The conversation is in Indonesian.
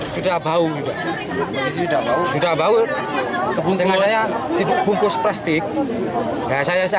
luka bakar itu sendiri disebabkan karena warga yang menemukannya mengira bungkusan plastik tersebut adalah sampah